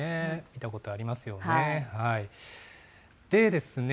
見たことありますよね。